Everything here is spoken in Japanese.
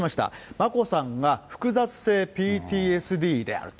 眞子さんが複雑性ＰＴＳＤであると。